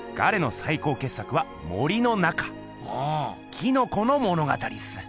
「キノコ」の物語っす。